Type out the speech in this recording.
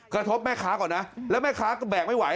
กระทบแม่ค้าก่อนนะแล้วแม่ค้าก็แบกไม่ไหว